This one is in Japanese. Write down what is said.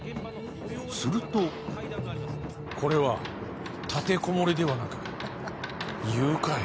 するとこれは立て籠もりではなく誘拐。